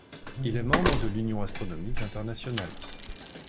Il est membre de l'Union astronomique internationale.